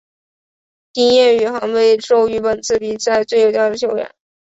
丁彦雨航被授予本次比赛最有价值球员。